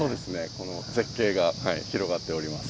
この絶景が広がっております。